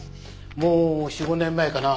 もう４５年前かな？